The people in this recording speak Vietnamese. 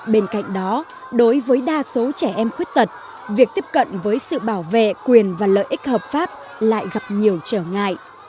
bên cạnh đó đối với đa số trẻ em khuyết tật việc tiếp cận với sự bảo vệ quyền và lợi ích hợp pháp lại gặp nhiều trở ngại